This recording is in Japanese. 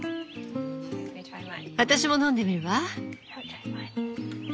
私も飲んでみるわ。